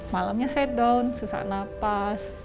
malamnya saya down sesak nafas